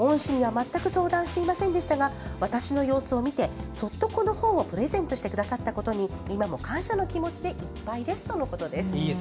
恩師には全く相談していませんでしたが私の様子を見て、そっとこの本をプレゼントしてくださったことに今も感謝の気持ちでいっぱいです。